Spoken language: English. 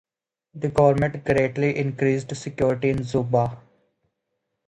The government greatly increased security in Juba.